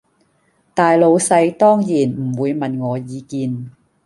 大老細當然唔會問我意見